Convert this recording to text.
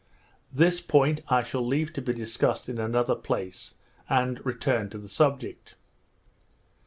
This point I shall leave to be discussed in another place, and return to the subject.